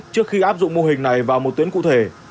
trước khi áp dụng mô hình này vào một tuyến cụ thể